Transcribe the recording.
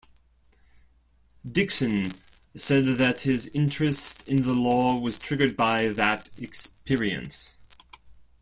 Dickson said that his interest in the law was triggered by that experience.